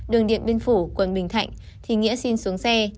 đường điện biên phủ quận bình thạnh thì nghĩa xin xuống xe